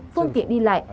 phương tiện đi lại